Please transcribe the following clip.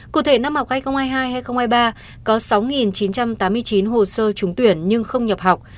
cụ thể năm học hai nghìn hai mươi hai hai nghìn hai mươi ba có sáu chín trăm tám mươi chín hồ sơ trúng tuyển nhưng không nhập học